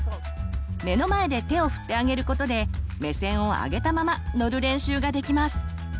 目の前で手を振ってあげることで目線を上げたまま乗る練習ができます。